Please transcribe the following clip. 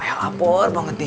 ayah lapor banget nih